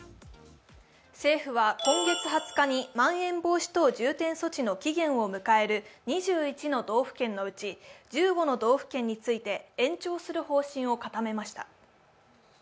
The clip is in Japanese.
政府は今月２０日にまん延防止等重点措置の期限を迎える２１の道府県のうち、１５の道府県について延長する方針を固めました。